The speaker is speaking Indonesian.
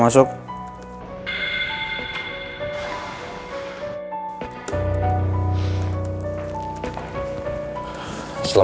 mas aku mau ke rumah